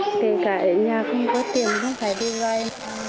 nó phải đi vay